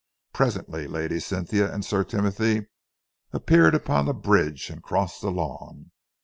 Presently Lady Cynthia and Sir Timothy appeared upon the bridge and crossed the lawn.